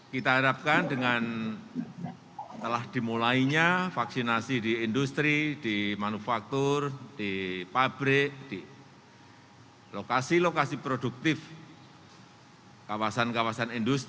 kita harapkan dengan telah dimulainya vaksinasi di industri di manufaktur di pabrik di lokasi lokasi produktif kawasan kawasan industri